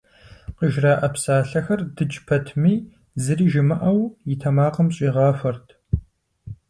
Къыжраӏэ псалъэхэр дыдж пэтми, зыри жимыӏэу, и тэмакъым щӏигъахуэрт.